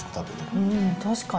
うん、確かに。